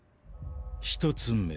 １つ目